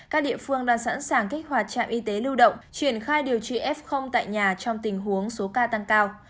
các địa phương đang sẵn sàng kích hoạt trạm y tế lưu động triển khai điều trị f tại nhà trong tình huống số ca tăng cao